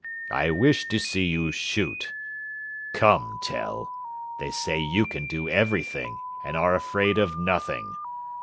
I wish to see you shoot. Come, Tell, they say you can do everything, and are afraid of nothing.